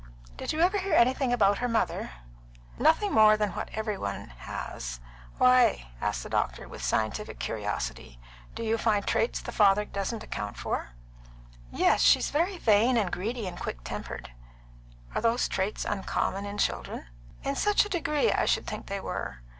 Did you ever hear anything about her mother?" "Nothing more than what every one has. Why?" asked the doctor, with scientific curiosity. "Do you find traits that the father doesn't account for?" "Yes. She is very vain and greedy and quick tempered." "Are those traits uncommon in children?" "In such a degree I should think they were.